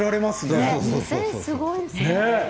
目線すごいですね。